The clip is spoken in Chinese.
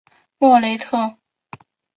莫雷特。